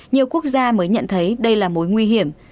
nhiều quốc gia mới nhận thấy đây là mối nguyên